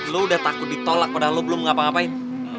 lo udah takut ditolak padahal lo belum ngapa ngapain